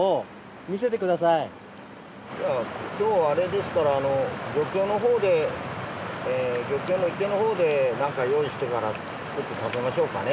今日あれですから漁協のほうで漁協のほうでなんか用意してから作って食べましょうかね。